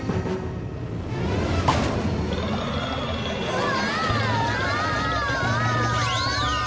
うわ！